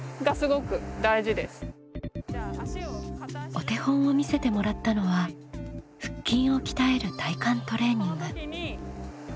お手本を見せてもらったのは腹筋を鍛える体幹トレーニング。